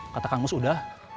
kata kangus udah